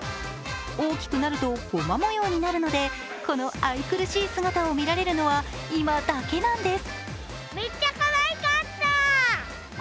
大きくなると、ゴマ模様になるのでこの愛くるしい姿を見られるのは今だけなんです。